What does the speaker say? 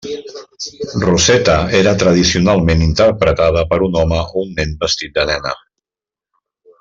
Rosetta era tradicionalment interpretada per un home o un nen vestit de nena.